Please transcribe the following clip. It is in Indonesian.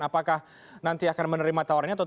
apakah nanti akan menerima tawarannya